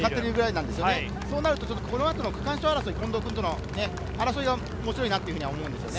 そうなると、この後の区間賞争い、近藤君との、面白いなと思うんですよね。